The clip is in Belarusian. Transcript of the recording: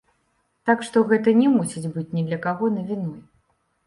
Так што гэта не мусіць быць ні для каго навіной.